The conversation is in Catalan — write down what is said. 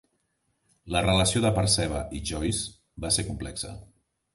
La relació de percebe i Joyce va ser complexa.